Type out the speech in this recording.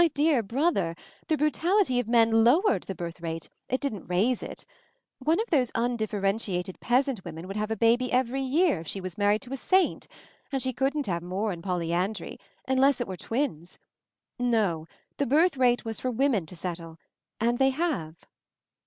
"My dear brother, the brutality of men lowered the birthrate — it didn't raise it! One of those undifferentiated peasant wo men would have a baby every year if she was married to a saint — and she couldn't have more in polyandry — unless it were J" MOVING THE MOUNTAIN 59 twins I No, the birthrate was for women to settle — and they have."